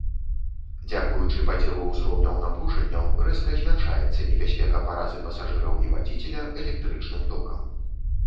Дзякуючы падзелу узроўняў напружанняў, рэзка змяншаецца небяспека паразы пасажыраў і вадзіцеля электрычным токам.